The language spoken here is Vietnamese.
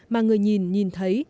mà người nhìn nhìn thấy